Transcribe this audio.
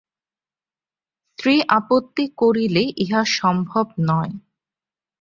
স্ত্রী আপত্তি করিলে ইহা সম্ভব নয়।